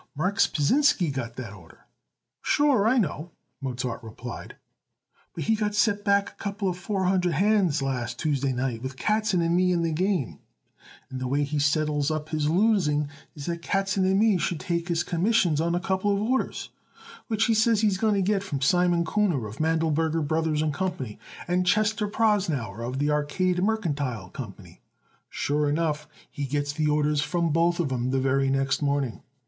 "Marks Pasinsky got the order." "Sure, I know," Mozart replied, "but he got set back a couple of four hundred hands last Tuesday night with Katzen and me in the game, and the way he settles up his losing is that Katzen and me should take his commissions on a couple of orders which he says he is going to get from Simon Kuhner, of Mandleberger Brothers & Co., and Chester Prosnauer, of the Arcade Mercantile Company. Sure enough, he gets the orders from both of 'em the very next morning.